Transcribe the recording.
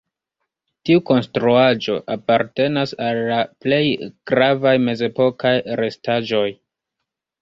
Tiu konstruaĵo apartenas al la plej gravaj mezepokaj restaĵoj.